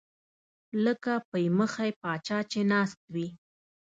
لکه پۍ مخی پاچا چې ناست وي